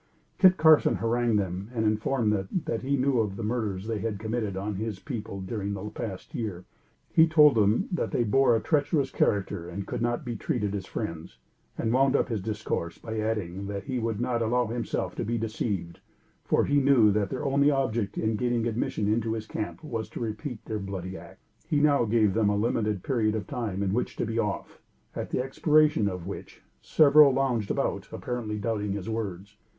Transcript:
Kit Carson harangued them and informed them that he knew of the murders they had committed on his people during the past year. He told them that they bore a treacherous character and could not be treated as friends, and wound up his discourse by adding, that he would not allow himself to be deceived, for he knew that their only object in gaining admission into his camp was to repeat their bloody acts. He now gave them a limited period of time in which to be off, at the expiration of which, several lounged about, apparently doubting his words.